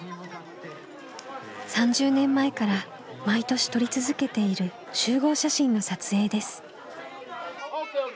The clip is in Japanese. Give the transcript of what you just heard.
３０年前から毎年撮り続けている集合写真の撮影です。